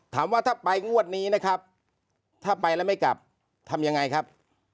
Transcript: ถามว่าถ้าไปงวดนี้นะครับถ้าไปแล้วไม่กลับทำยังไงครับ